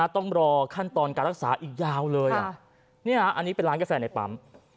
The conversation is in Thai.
ต้องรอขั้นตอนการรักษาอีกยาวเลยอันนี้เป็นร้านกาแฟในปั๊ม